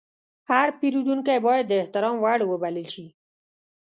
هر پیرودونکی باید د احترام وړ وبلل شي.